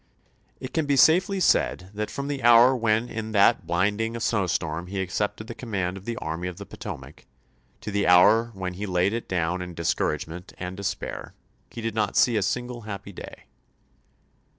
It can be safely said that from the hour when in that blinding snow storm he accepted the com mand of the Army of the Potomac, to the hour when he laid it down in discouragement and de spair, he did not see a single happy day.